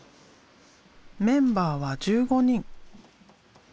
メンバーは１５人。